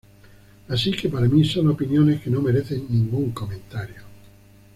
Así que para mí son opiniones que no merecen ningún comentario".